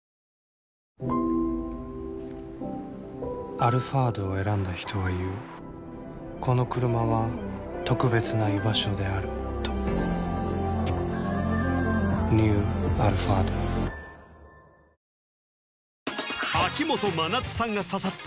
「アルファード」を選んだ人は言うこのクルマは特別な居場所であるとニュー「アルファード」秋元真夏さんが刺さった